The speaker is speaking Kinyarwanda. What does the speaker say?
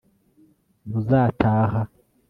ntuzataha